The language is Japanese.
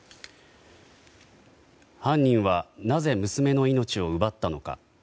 犯人はなぜ娘の命を奪ったのか。